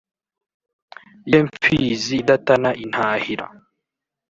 ye mfizi idatana intahira,